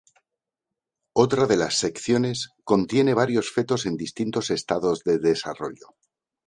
Otra de las secciones contiene varios fetos en distintos estados de desarrollo.